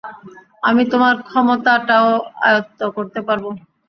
আমি তোমার ক্ষমতাটাও আয়ত্ত করতে পারবো?